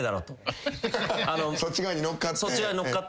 そっち側に乗っかって。